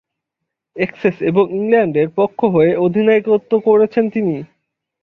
Essex এবং ইংল্যান্ডের পক্ষ হয়ে অধিনায়কত্ব করেছেন তিনি।